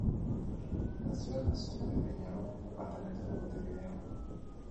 Nació en la zona de Peñarol, departamento de Montevideo.